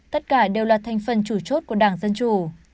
tất cả đều là thành phần chủ chốt của đảng dân chủ